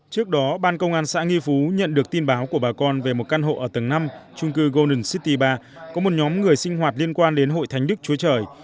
trước đó ban công an xã nghi phú nhận được tin báo của bà con về một căn hộ ở tầng năm trung cư golden city ba có một nhóm người sinh hoạt liên quan đến hội thánh đức chúa trời